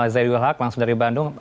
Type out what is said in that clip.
zai dwi hak langsung dari bandung